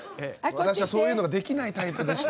私はそういうのができないタイプでして。